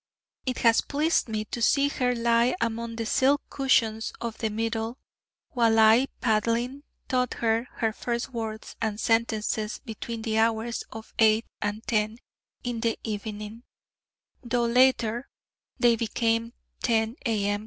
It has pleased me to see her lie among the silk cushions of the middle, while I, paddling, taught her her first words and sentences between the hours of eight and ten in the evening, though later they became 10 A.M.